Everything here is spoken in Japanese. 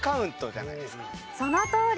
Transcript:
そのとおり。